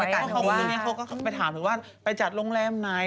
เขาก็ไปถามไปจัดโรงแรมไหน